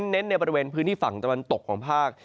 เน้นในบริเวณพื้นที่ฝั่งตะวันตกของภาค